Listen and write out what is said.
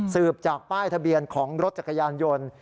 สืบจากป้ายทะเบียนของรถจักรยานยนต์